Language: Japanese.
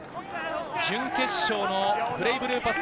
準決勝のブレイブルーパス